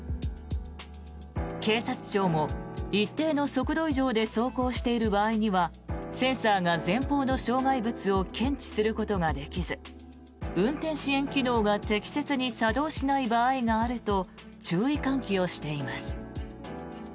警察庁も一定の速度以上で走行している場合にはセンサーが前方の障害物を検知することができず運転支援機能が適切に作動しない場合があると注意喚起をしています。